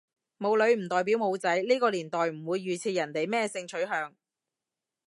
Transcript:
冇女唔代表冇仔，呢個年代唔會預設人哋咩性取向